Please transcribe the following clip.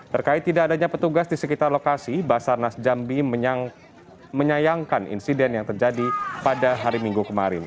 terkait tidak adanya petugas di sekitar lokasi basarnas jambi menyayangkan insiden yang terjadi pada hari minggu kemarin